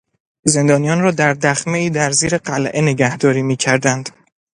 زندانیان را در دخمهای در زیر قلعه نگهداری میکردند.